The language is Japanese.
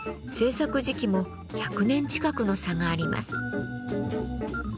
制作時期も１００年近くの差があります。